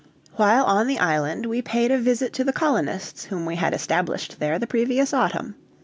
While on the island we paid a visit to the colonists whom we had established there the previous autumn.